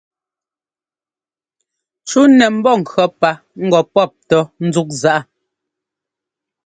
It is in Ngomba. Cú nɛ mbɔ́ŋkʉɔ́ pá ŋgɔ pɔ́p tɔ́ ńzúk zaꞌa.